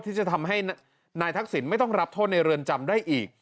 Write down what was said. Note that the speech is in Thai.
ที่จะทำให้นายทักษิณไม่ต้องรับโทษในเรือนจำได้อีก